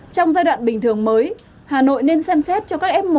trong giai đoạn bình thường mới hà nội nên xem xét cho các f một